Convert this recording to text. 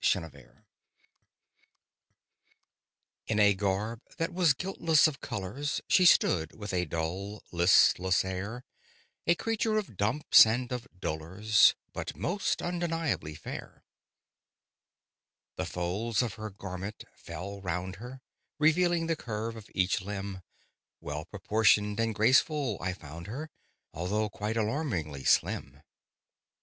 ÆSTHETIC In a garb that was guiltless of colours She stood, with a dull, listless air— A creature of dumps and of dolours, But most undeniably fair. The folds of her garment fell round her, Revealing the curve of each limb; Well proportioned and graceful I found her, Although quite alarmingly slim.